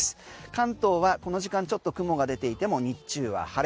関東はこの時間ちょっと雲が出ていても日中は晴れ。